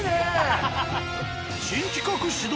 新企画始動。